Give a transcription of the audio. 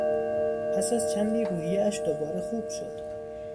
پس از چندی روحیهاش دوباره خوب شد.